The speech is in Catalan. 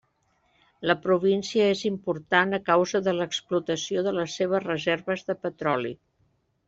La província és important a causa de l'explotació de les seves reserves de petroli.